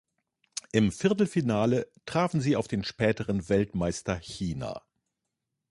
Im Viertelfinale traf sie auf den späteren Weltmeister China.